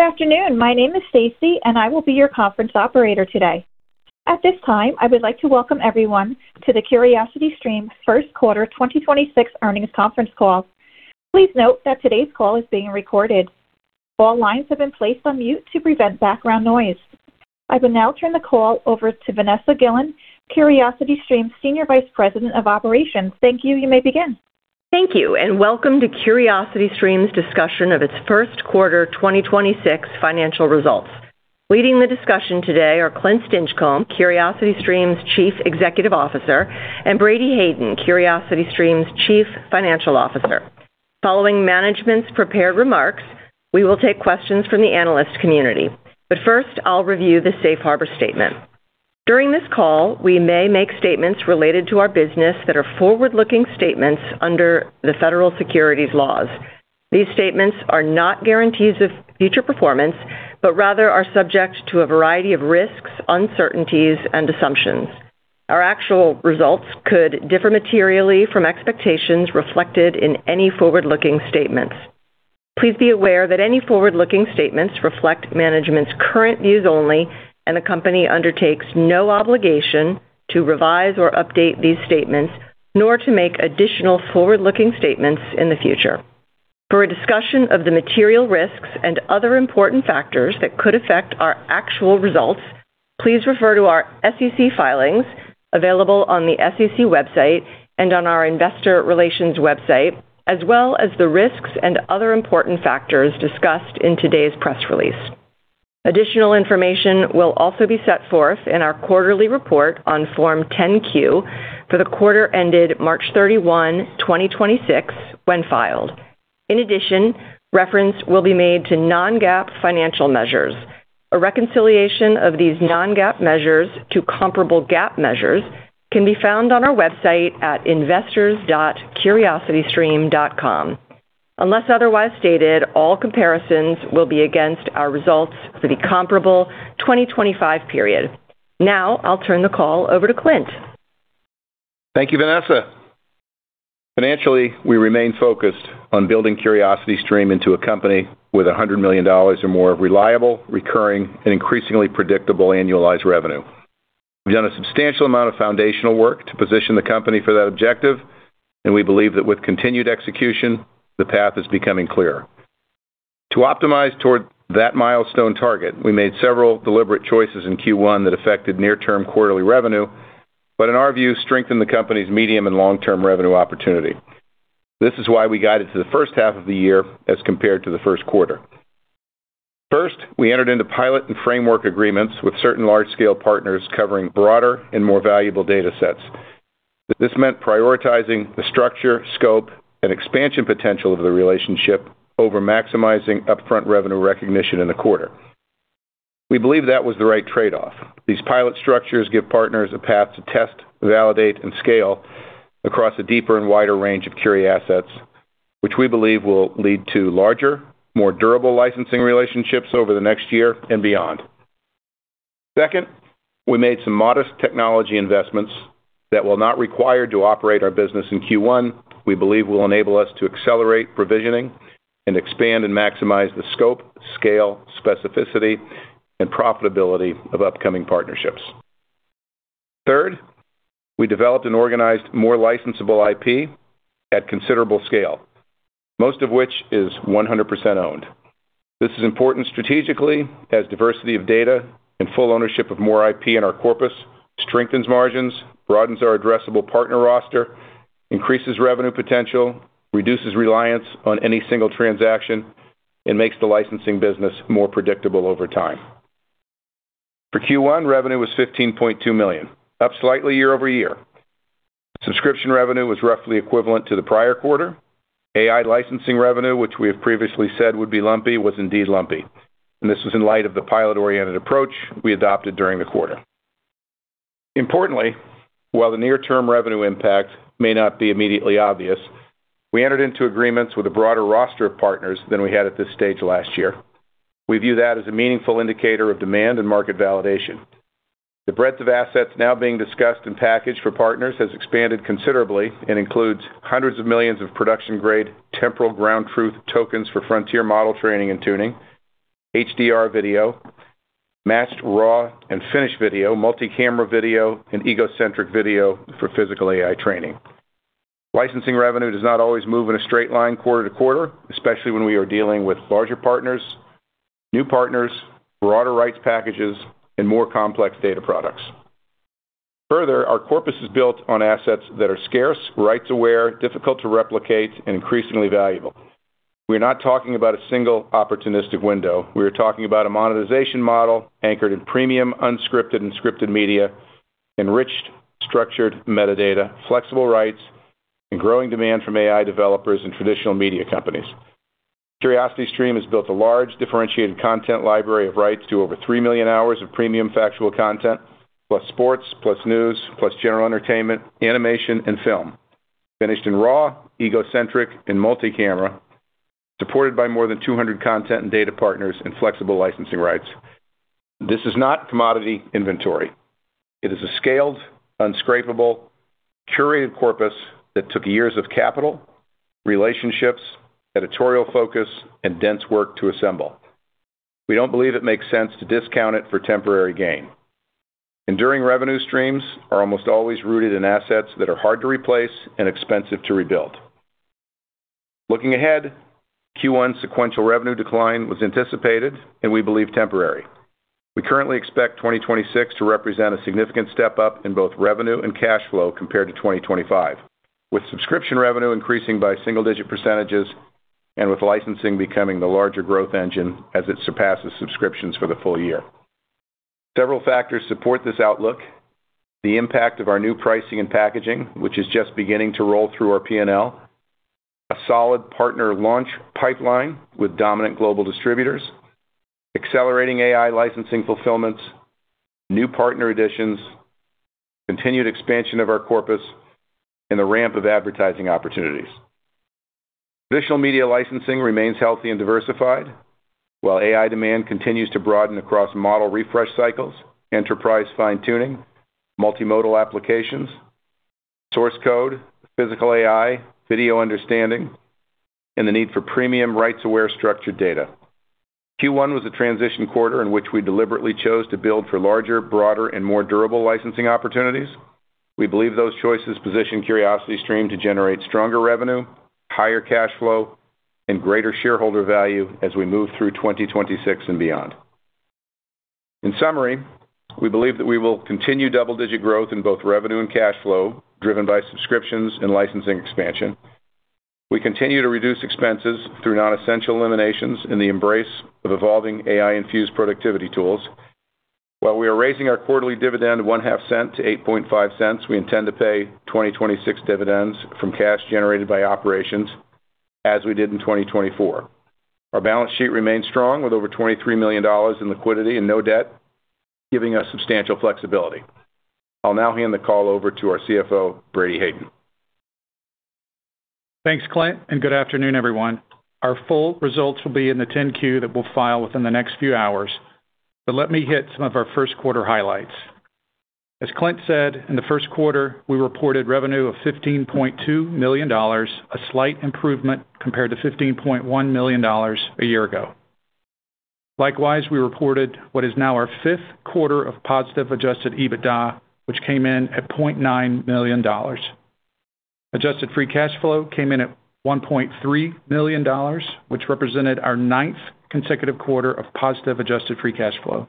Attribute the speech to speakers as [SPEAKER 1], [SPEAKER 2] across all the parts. [SPEAKER 1] Good afternoon. My name is Stacy, and I will be your conference operator today. At this time, I would like to welcome everyone to the CuriosityStream First Quarter 2026 Earnings Conference Call. Please note that today's call is being recorded. All lines have been placed on mute to prevent background noise. I will now turn the call over to Vanessa Gillen, CuriosityStream's Senior Vice President of Operations. Thank you. You may begin.
[SPEAKER 2] Thank you. Welcome to CuriosityStream's discussion of its first quarter 2026 financial results. Leading the discussion today are Clint Stinchcomb, CuriosityStream's Chief Executive Officer, and Brady Hayden, CuriosityStream's Chief Financial Officer. Following management's prepared remarks, we will take questions from the analyst community. First, I'll review the safe harbor statement. During this call, we may make statements related to our business that are forward-looking statements under the federal securities laws. These statements are not guarantees of future performance, but rather are subject to a variety of risks, uncertainties, and assumptions. Our actual results could differ materially from expectations reflected in any forward-looking statements. Please be aware that any forward-looking statements reflect management's current views only, and the company undertakes no obligation to revise or update these statements, nor to make additional forward-looking statements in the future. For a discussion of the material risks and other important factors that could affect our actual results, please refer to our SEC filings available on the SEC website and on our investor relations website, as well as the risks and other important factors discussed in today's press release. Additional information will also be set forth in our quarterly report on Form 10-Q for the quarter ended March 31, 2026, when filed. In addition, reference will be made to non-GAAP financial measures. A reconciliation of these non-GAAP measures to comparable GAAP measures can be found on our website at investors.curiositystream.com. Unless otherwise stated, all comparisons will be against our results for the comparable 2025 period. Now, I'll turn the call over to Clint.
[SPEAKER 3] Thank you, Vanessa. Financially, we remain focused on building CuriosityStream into a company with $100 million or more of reliable, recurring, and increasingly predictable annualized revenue. We've done a substantial amount of foundational work to position the company for that objective. We believe that with continued execution, the path is becoming clearer. To optimize toward that milestone target, we made several deliberate choices in Q1 that affected near-term quarterly revenue. In our view, strengthened the company's medium and long-term revenue opportunity. This is why we guided to the first half of the year as compared to the first quarter. First, we entered into pilot and framework agreements with certain large-scale partners covering broader and more valuable datasets. This meant prioritizing the structure, scope, and expansion potential of the relationship over maximizing upfront revenue recognition in the quarter. We believe that was the right trade-off. These pilot structures give partners a path to test, validate, and scale across a deeper and wider range of CURI assets, which we believe will lead to larger, more durable licensing relationships over the next year and beyond. Second, we made some modest technology investments that will not require to operate our business in Q1, we believe will enable us to accelerate provisioning and expand and maximize the scope, scale, specificity, and profitability of upcoming partnerships. Third, we developed and organized more licensable IP at considerable scale, most of which is 100% owned. This is important strategically as diversity of data and full ownership of more IP in our corpus strengthens margins, broadens our addressable partner roster, increases revenue potential, reduces reliance on any single transaction, and makes the licensing business more predictable over time. For Q1, revenue was $15.2 million, up slightly year-over-year. Subscription revenue was roughly equivalent to the prior quarter. AI licensing revenue, which we have previously said would be lumpy, was indeed lumpy, and this was in light of the pilot-oriented approach we adopted during the quarter. Importantly, while the near-term revenue impact may not be immediately obvious, we entered into agreements with a broader roster of partners than we had at this stage last year. We view that as a meaningful indicator of demand and market validation. The breadth of assets now being discussed and packaged for partners has expanded considerably and includes hundreds of millions of production-grade temporal ground truth tokens for frontier model training and tuning, HDR video, matched raw and finished video, multi-camera video, and egocentric video for physical AI training. Licensing revenue does not always move in a straight line quarter-to-quarter, especially when we are dealing with larger partners, new partners, broader rights packages, and more complex data products. Further, our corpus is built on assets that are scarce, rights-aware, difficult to replicate, and increasingly valuable. We are not talking about a single opportunistic window. We are talking about a monetization model anchored in premium unscripted and scripted media, enriched, structured metadata, flexible rights, and growing demand from AI developers and traditional media companies. CuriosityStream has built a large differentiated content library of rights to over 3 million hours of premium factual content, plus sports, plus news, plus general entertainment, animation, and film. Finished in raw, egocentric, and multi-camera, supported by more than 200 content and data partners and flexible licensing rights. This is not commodity inventory. It is a scaled, unscrapable, curated corpus that took years of capital, relationships, editorial focus, and dense work to assemble. We don't believe it makes sense to discount it for temporary gain. Enduring revenue streams are almost always rooted in assets that are hard to replace and expensive to rebuild. Looking ahead, Q1 sequential revenue decline was anticipated and we believe temporary. We currently expect 2026 to represent a significant step-up in both revenue and cash flow compared to 2025, with subscription revenue increasing by single digit percentages and with licensing becoming the larger growth engine as it surpasses subscriptions for the full year. Several factors support this outlook. The impact of our new pricing and packaging, which is just beginning to roll through our P&L, a solid partner launch pipeline with dominant global distributors, accelerating AI licensing fulfillments, new partner additions, continued expansion of our corpus, and the ramp of advertising opportunities. Visual media licensing remains healthy and diversified, while AI demand continues to broaden across model refresh cycles, enterprise fine-tuning, multimodal applications, source code, physical AI, video understanding, and the need for premium rights-aware structured data. Q1 was a transition quarter in which we deliberately chose to build for larger, broader, and more durable licensing opportunities. We believe those choices position CuriosityStream to generate stronger revenue, higher cash flow, and greater shareholder value as we move through 2026 and beyond. In summary, we believe that we will continue double-digit growth in both revenue and cash flow, driven by subscriptions and licensing expansion. We continue to reduce expenses through non-essential eliminations in the embrace of evolving AI-infused productivity tools. While we are raising our quarterly dividend $0.005 to $0.085, we intend to pay 2026 dividends from cash generated by operations as we did in 2024. Our balance sheet remains strong with over $23 million in liquidity and no debt, giving us substantial flexibility. I'll now hand the call over to our CFO, Brady Hayden.
[SPEAKER 4] Thanks, Clint. Good afternoon, everyone. Our full results will be in the 10-Q that we'll file within the next few hours. Let me hit some of our first quarter highlights. As Clint said, in the first quarter, we reported revenue of $15.2 million, a slight improvement compared to $15.1 million a year ago. Likewise, we reported what is now our fifth quarter of positive Adjusted EBITDA, which came in at $0.9 million. Adjusted free cash flow came in at $1.3 million, which represented our ninth consecutive quarter of positive adjusted free cash flow.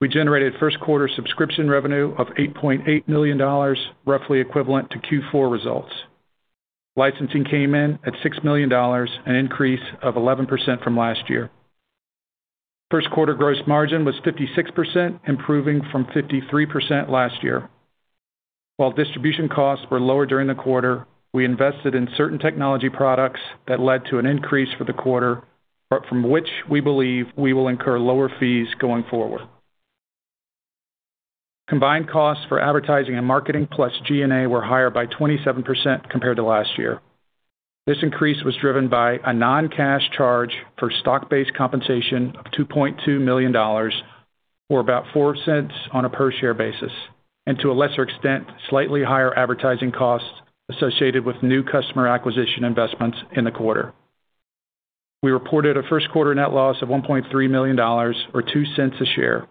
[SPEAKER 4] We generated first quarter subscription revenue of $8.8 million, roughly equivalent to Q4 results. Licensing came in at $6 million, an increase of 11% from last year. First quarter gross margin was 56%, improving from 53% last year. While distribution costs were lower during the quarter, we invested in certain technology products that led to an increase for the quarter, but from which we believe we will incur lower fees going forward. Combined costs for advertising and marketing plus G&A were higher by 27% compared to last year. This increase was driven by a non-cash charge for stock-based compensation of $2.2 million, or about $0.04 on a per share basis, and to a lesser extent, slightly higher advertising costs associated with new customer acquisition investments in the quarter. We reported a first quarter net loss of $1.3 million, or $0.02 a share.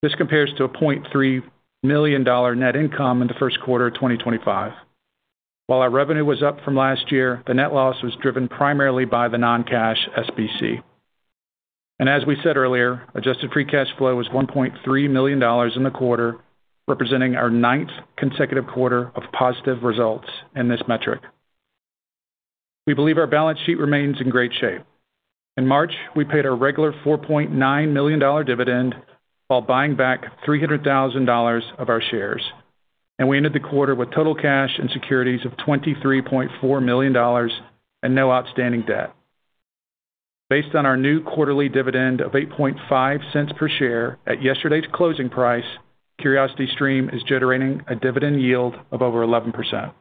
[SPEAKER 4] This compares to a $0.3 million net income in the first quarter of 2025. While our revenue was up from last year, the net loss was driven primarily by the non-cash SBC. As we said earlier, adjusted free cash flow was $1.3 million in the quarter, representing our ninth consecutive quarter of positive results in this metric. We believe our balance sheet remains in great shape. In March, we paid our regular $4.9 million dividend while buying back $300,000 of our shares, and we ended the quarter with total cash and securities of $23.4 million and no outstanding debt. Based on our new quarterly dividend of $0.085 per share at yesterday's closing price, CuriosityStream is generating a dividend yield of over 11%.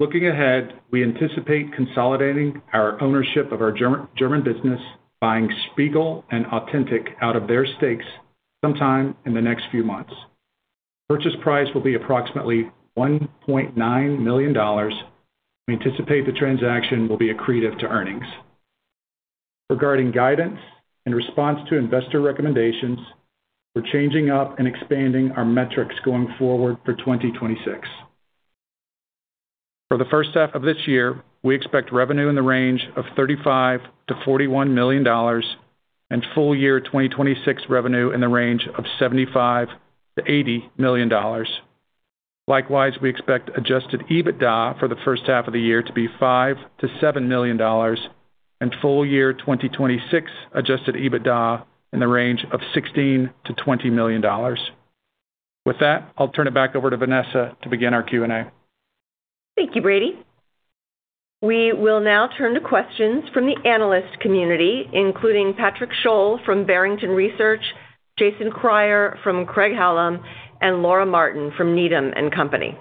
[SPEAKER 4] Looking ahead, we anticipate consolidating our ownership of our German business, buying Spiegel and Autentic out of their stakes sometime in the next few months. Purchase price will be approximately $1.9 million. We anticipate the transaction will be accretive to earnings. Regarding guidance in response to investor recommendations, we're changing up and expanding our metrics going forward for 2026. For the first half of this year, we expect revenue in the range of $35 million-$41 million and full year 2026 revenue in the range of $75 million-$80 million. Likewise, we expect Adjusted EBITDA for the first half of the year to be $5 million-$7 million and full year 2026 Adjusted EBITDA in the range of $16 million-$20 million. With that, I'll turn it back over to Vanessa to begin our Q&A.
[SPEAKER 2] Thank you, Brady. We will now turn to questions from the analyst community, including Patrick Sholl from Barrington Research, Jason Kreyer from Craig-Hallum, and Laura Martin from Needham & Company.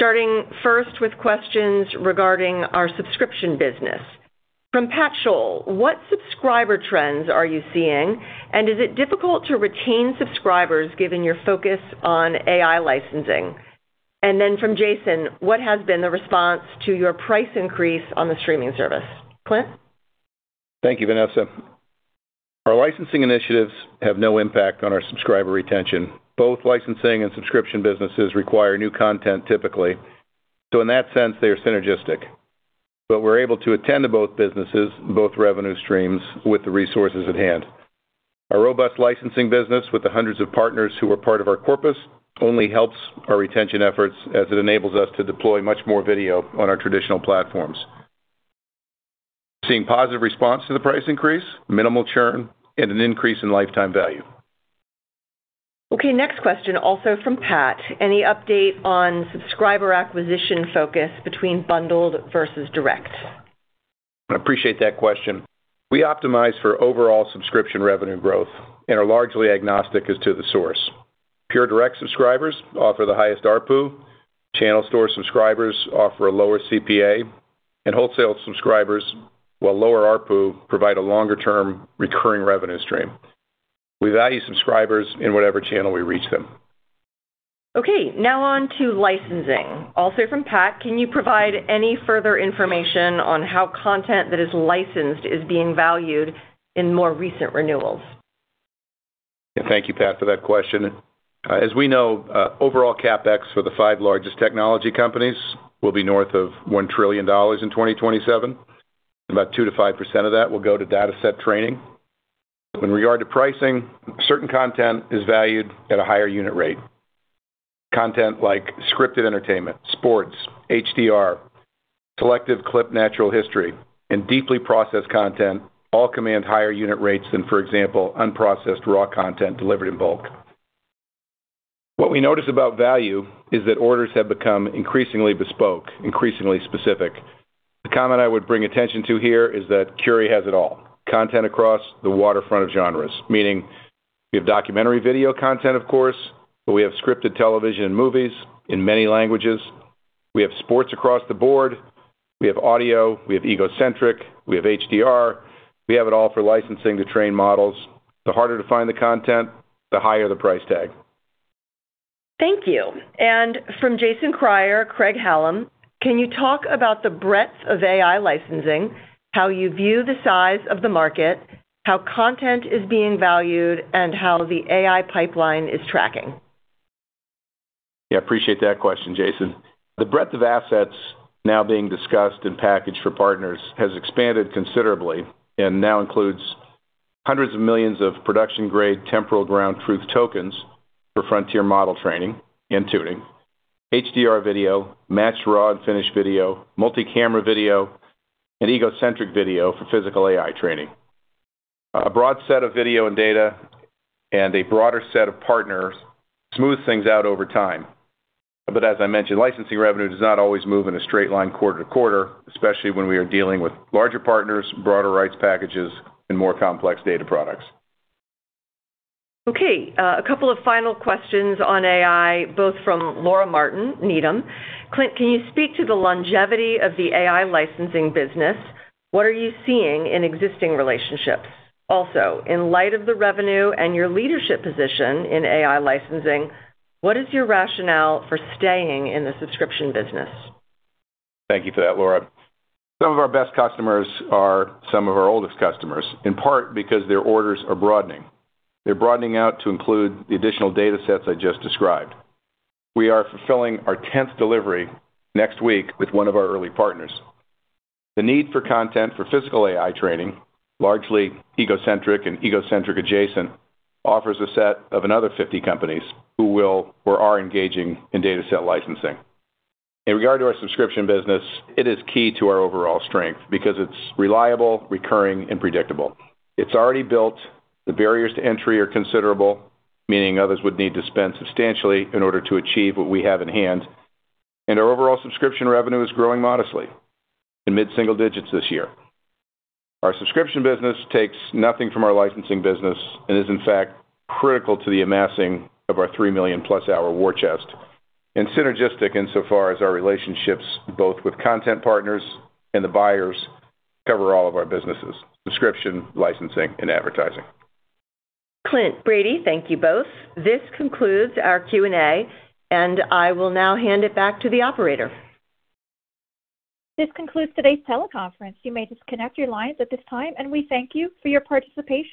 [SPEAKER 2] Starting first with questions regarding our subscription business. From Patrick Sholl, "What subscriber trends are you seeing, and is it difficult to retain subscribers given your focus on AI licensing?" From Jason, "What has been the response to your price increase on the streaming service?" Clint?
[SPEAKER 3] Thank you, Vanessa. Our licensing initiatives have no impact on our subscriber retention. Both licensing and subscription businesses require new content typically, so in that sense, they are synergistic. We're able to attend to both businesses, both revenue streams, with the resources at hand. Our robust licensing business with the hundreds of partners who are part of our corpus only helps our retention efforts as it enables us to deploy much more video on our traditional platforms. Seeing positive response to the price increase, minimal churn, and an increase in lifetime value.
[SPEAKER 2] Okay. Next question, also from Pat. "Any update on subscriber acquisition focus between bundled versus direct?
[SPEAKER 3] I appreciate that question. We optimize for overall subscription revenue growth and are largely agnostic as to the source. Pure direct subscribers offer the highest ARPU, channel store subscribers offer a lower CPA, and wholesale subscribers, while lower ARPU, provide a longer-term recurring revenue stream. We value subscribers in whatever channel we reach them.
[SPEAKER 2] Now on to licensing, also from Pat. Can you provide any further information on how content that is licensed is being valued in more recent renewals?
[SPEAKER 3] Yeah. Thank you, Pat, for that question. As we know, overall CapEx for the five largest technology companies will be north of $1 trillion in 2027. About 2%-5% of that will go to dataset training. In regard to pricing, certain content is valued at a higher unit rate. Content like scripted entertainment, sports, HDR, selective clip natural history, and deeply processed content all command higher unit rates than, for example, unprocessed raw content delivered in bulk. What we notice about value is that orders have become increasingly bespoke, increasingly specific. The comment I would bring attention to here is that [CuriosityStream] has it all. Content across the waterfront of genres, meaning we have documentary video content, of course, but we have scripted television and movies in many languages. We have sports across the board. We have audio, we have egocentric, we have HDR. We have it all for licensing to train models. The harder to find the content, the higher the price tag.
[SPEAKER 2] Thank you. From Jason Kreyer, Craig-Hallum, "Can you talk about the breadth of AI licensing, how you view the size of the market, how content is being valued, and how the AI pipeline is tracking?
[SPEAKER 3] Yeah, appreciate that question, Jason. The breadth of assets now being discussed and packaged for partners has expanded considerably and now includes hundreds of millions of production-grade temporal ground truth tokens for frontier model training and tuning, HDR video, matched raw and finished video, multi-camera video, and egocentric video for Physical AI training. A broad set of video and data and a broader set of partners smooth things out over time. As I mentioned, licensing revenue does not always move in a straight line quarter-to-quarter, especially when we are dealing with larger partners, broader rights packages, and more complex data products.
[SPEAKER 2] Okay, a couple of final questions on AI, both from Laura Martin, Needham & Company. "Clint, can you speak to the longevity of the AI licensing business? What are you seeing in existing relationships? In light of the revenue and your leadership position in AI licensing, what is your rationale for staying in the subscription business?
[SPEAKER 3] Thank you for that, Laura. Some of our best customers are some of our oldest customers, in part because their orders are broadening. They're broadening out to include the additional datasets I just described. We are fulfilling our 10th delivery next week with one of our early partners. The need for content for Physical AI training, largely egocentric and egocentric adjacent, offers a set of another 50 companies who will or are engaging in dataset licensing. In regard to our subscription business, it is key to our overall strength because it's reliable, recurring, and predictable. It's already built. The barriers to entry are considerable, meaning others would need to spend substantially in order to achieve what we have at hand. Our overall subscription revenue is growing modestly, in mid-single digits this year. Our subscription business takes nothing from our licensing business and is, in fact, critical to the amassing of our 3 million+ hour war chest and synergistic insofar as our relationships, both with content partners and the buyers, cover all of our businesses, subscription, licensing, and advertising.
[SPEAKER 2] Clint, Brady, thank you both. This concludes our Q&A, and I will now hand it back to the operator.
[SPEAKER 1] This concludes today's teleconference. You may disconnect your lines at this time, and we thank you for your participation.